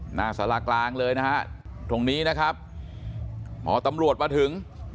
หน้าสารากลางเลยนะฮะตรงนี้นะครับพอตำรวจมาถึง